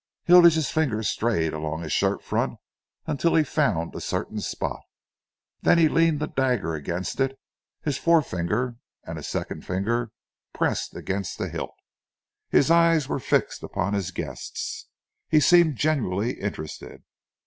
Hilditch's fingers strayed along his shirt front until he found a certain spot. Then he leaned the dagger against it, his forefinger and second finger pressed against the hilt. His eyes were fixed upon his guest's. He seemed genuinely interested.